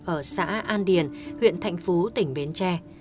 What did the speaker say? ở xã an điền huyện thạnh phú tỉnh bến tre